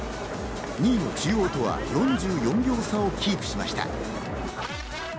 ２位の中央とは４４秒差をキープしました。